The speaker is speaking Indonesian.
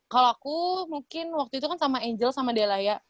kalau aku mungkin waktu itu kan sama angel sama dellaya